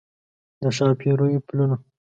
د ښاپیریو پلونه